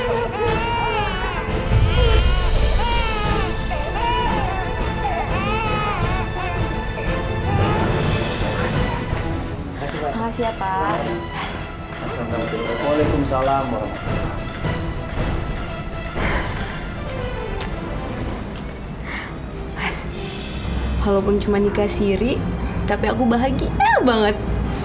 mas walaupun cuma nikah siri tapi aku bahagia banget